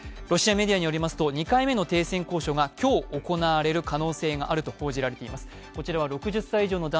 ロシアメディアによりますと２回目の停戦交渉が今日行われる可能性があると報じられています。